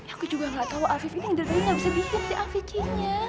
aku juga gak tau afif ini ngendali gendali gak bisa biut si afikinya